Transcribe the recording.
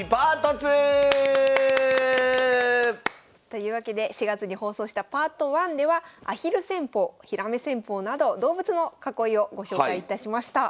というわけで４月に放送したＰａｒｔ１ではアヒル戦法ひらめ戦法など動物の囲いをご紹介いたしました。